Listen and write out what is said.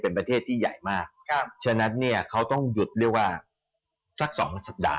เป็นประเทศที่ใหญ่มากฉะนั้นเนี่ยเขาต้องหยุดเรียกว่าสักสองสัปดาห